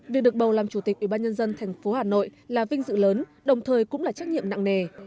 việc được bầu làm chủ tịch ủy ban nhân dân thành phố hà nội là vinh dự lớn đồng thời cũng là trách nhiệm nặng nề